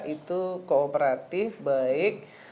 itu kooperatif baik